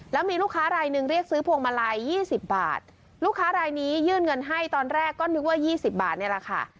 แล้วมีลูกค้ารายหนึ่งเรียกซื้อพวงมาลัย๒๐บาทลูกค้ารายนี้ยื่นเงินให้ตอนแรกก็นึกว่า๒๐บาทนี่แหละค่ะ